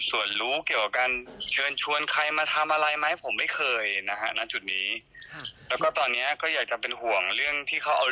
ส่วนรู้เกี่ยวกับการเชิญชวนใครมาทำอะไรไหม